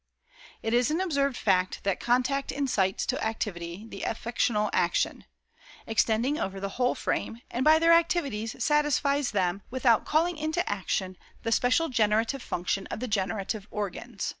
"It is an observed fact that contact incites to activity the affectional action, extending over the whole frame, and by their activities satisfies them, without calling into action the special generative function of the generative organs.